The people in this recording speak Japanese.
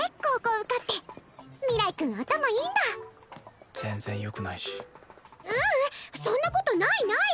受かって明日君頭いいんだ全然よくないしううんそんなことないない！